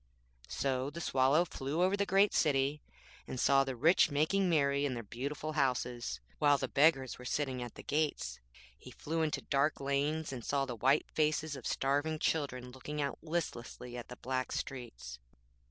So the Swallow flew over the great city, and saw the rich making merry in their beautiful houses, while the beggars were sitting at the gates. He flew into dark lanes, and saw the white faces of starving children looking out listlessly at the black streets.